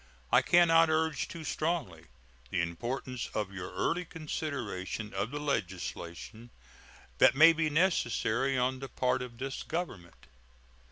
I can not urge too strongly the importance of your early consideration of the legislation that may be necessary on the part of this Government.